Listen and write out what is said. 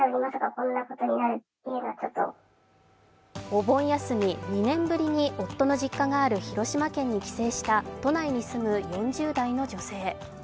お盆休み２年ぶりに夫の実家がある広島県に帰省した都内に住む４０代の女性。